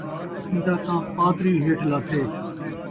ایندا تاں پاتری ہیٹھ لاتھے